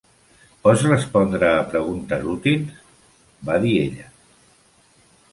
"Pots respondre a preguntes útils?", va dir ella.